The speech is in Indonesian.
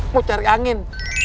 mau cari angin